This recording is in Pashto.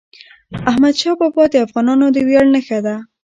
احمدشاه بابا د افغانانو د ویاړ نښه ده.